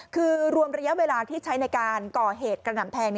คือรวมระยะเวลาที่ใช้ในการก่อเหตุกระหน่ำแทง